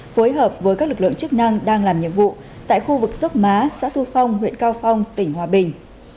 phối hợp với các lực lượng chức năng đang làm nhiệm vụ tại khu vực dốc má xã thu phong huyện cao phong tỉnh hòa bình